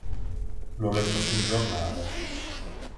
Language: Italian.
L'ho letto sul giornale.